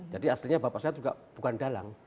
jadi aslinya bapak saya juga bukan dalang